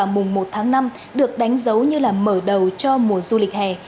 mùng một tháng năm được đánh dấu như là mở đầu cho mùa du lịch hè